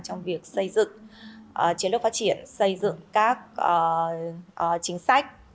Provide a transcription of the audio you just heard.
trong việc xây dựng chiến lược phát triển xây dựng các chính sách